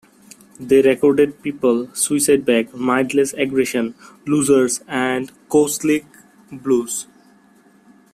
They recorded "People", "Suicide Bag", "Mindless Aggression", "Losers", and "Cowslick Blues".